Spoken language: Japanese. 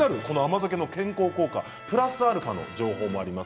健康効果プラスアルファの情報もあります。